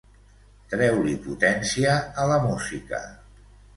Treu-li potència a la música.